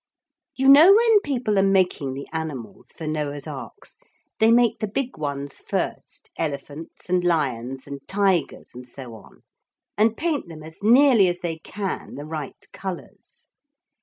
'] You know when people are making the animals for Noah's arks they make the big ones first, elephants and lions and tigers and so on, and paint them as nearly as they can the right colours.